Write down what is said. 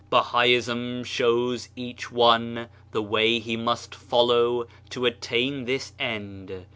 Bahaism shows each one the way he must follow to attain this end.